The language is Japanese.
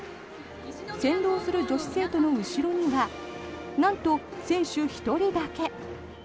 先導する女子生徒の後ろにはなんと、選手１人だけ。